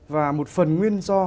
và một phần nguyên do